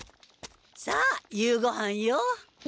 さあ夕ごはんよ。